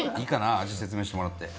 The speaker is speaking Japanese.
味説明してもらって。